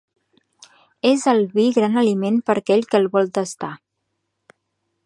És el vi gran aliment per a aquell que el vol tastar.